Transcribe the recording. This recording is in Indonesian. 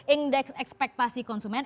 indeks ekspektasi konsumen